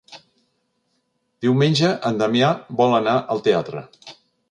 Diumenge en Damià vol anar al teatre.